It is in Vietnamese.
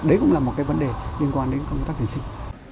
đấy cũng là một cái vấn đề liên quan đến công tác tuyển sinh